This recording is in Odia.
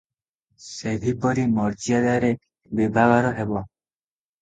ସେହିପରି ମର୍ଯ୍ୟାଦାରେ ବିଭାଘର ହେବ ।